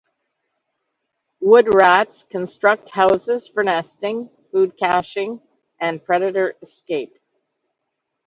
Woodrats construct houses for nesting, food caching, and predator escape.